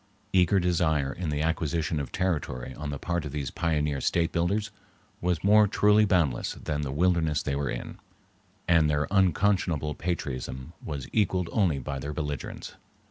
Eager desire in the acquisition of territory on the part of these pioneer state builders was more truly boundless than the wilderness they were in, and their unconscionable patriotism was equaled only by their belligerence.